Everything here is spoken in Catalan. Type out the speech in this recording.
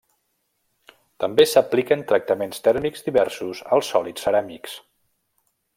També s'apliquen tractaments tèrmics diversos als sòlids ceràmics.